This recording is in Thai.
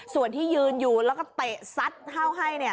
ส่วนที่ยืนอยู่แล้วก็เตะซัดเข้าให้